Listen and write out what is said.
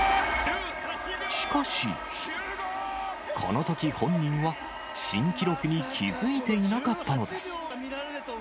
しかし、このとき本人は新記録に気付いていなかったのです。